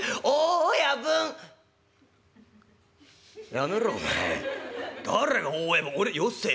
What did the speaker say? やめろお前。